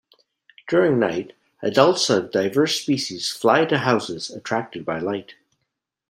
During night, adults of diverse species fly to houses attracted by light.